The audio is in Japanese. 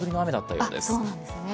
そうなんですね。